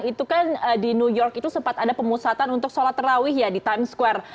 itu kan di new york itu sempat ada pemusatan untuk sholat terawih ya di times square